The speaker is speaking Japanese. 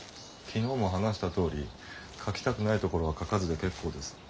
昨日も話したとおり書きたくないところは書かずで結構です。